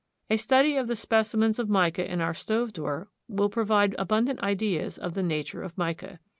A study of the specimens of mica in our stove door will provide abundant ideas of the nature of mica.